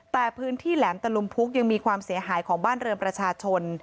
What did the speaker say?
แต่พื้นที่แหลมตะลุมพุกยังมีความเสียหายของบ้านเรือนประชาชน